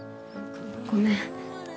ごめん。